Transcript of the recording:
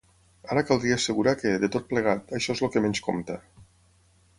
Ara caldria assegurar que, de tot plegat, això és el que menys compta.